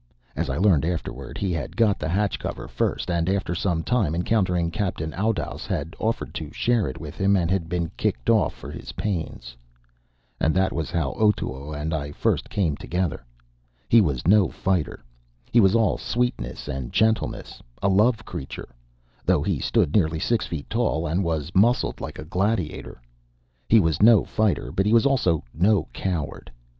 As I learned afterward, he had got the hatch cover first, and, after some time, encountering Captain Oudouse, had offered to share it with him, and had been kicked off for his pains. And that was how Otoo and I first came together. He was no fighter. He was all sweetness and gentleness, a love creature, though he stood nearly six feet tall and was muscled like a gladiator. He was no fighter, but he was also no coward.